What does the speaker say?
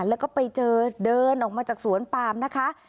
แล้วก็ไปเจอเดินออกมาจากสวนปามนะคะ